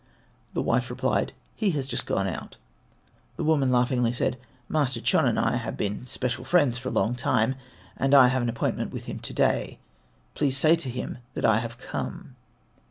The wife replied, "He has just gone out." The woman laughingly said, "Master Chon and I have been special friend's for a long time, and I have an appointment with him to day. Please say to him that I have come."